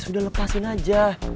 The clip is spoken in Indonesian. udah lepasin aja